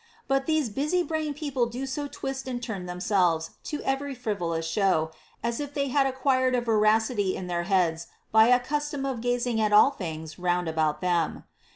But these busy brained people do so twist and turn themselves to every frivolous show, as if they had acquired a verticity in their heads by their custom of gazing at all things round about them.